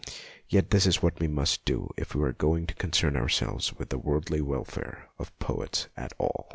Yet this is what we must do if we are going to concern ourselves with the worldly welfare of poets at all.